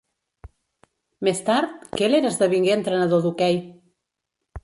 Més tard, Keller esdevingué entrenador d'hoquei.